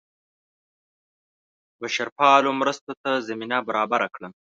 بشرپالو مرستو ته زمینه برابره کړه.